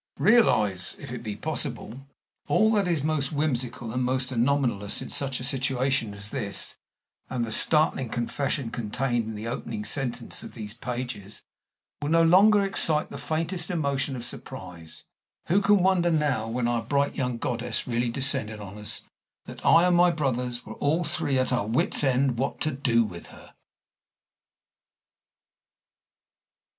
Realize, if it be possible, all that is most whimsical and most anomalous in such a situation as this, and the startling confession contained in the opening sentence of these pages will no longer excite the faintest emotion of surprise. Who can wonder now, when our bright young goddess really descended on us, that I and my brothers were all three at our wits' end what to do with her!